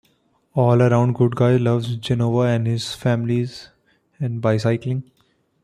An all around good guy, loves Jehovah, his family and bicycling.